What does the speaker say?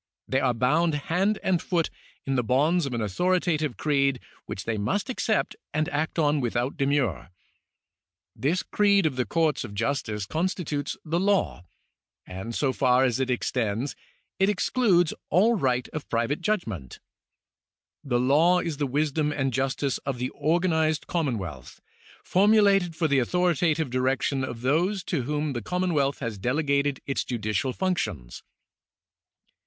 They are bound hand and foot in the bonds of an authoritative creed which they must accept and act on without demur. This creed of the com ts of justice constitutes the law, and so far as it extends, it excludes all right of private judgment. The law is the wisdom and justice of the organized commonwealth, formulated for the authoritative direction of those to whom the commonwealth has delegated its judicial functions.